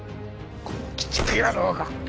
この鬼畜野郎が！